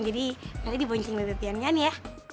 jadi meli diboncing bebek pianian ya